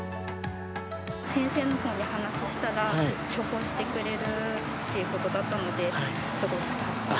先生のほうに話したら、処方してくれるということだったので、すごく助かりました。